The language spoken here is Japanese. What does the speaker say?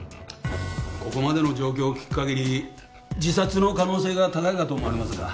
ここまでの状況を聞く限り自殺の可能性が高いかと思われますが。